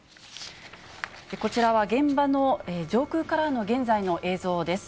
こちらは現場の上空からの現在の映像です。